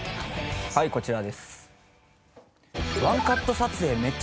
はいこちらです。